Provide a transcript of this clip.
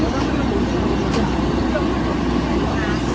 หรือว่าเกิดอะไรขึ้น